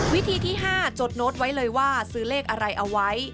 วิธีที่๕จดโน้ตไว้เลยว่าซื้อเลขอะไรเอาไว้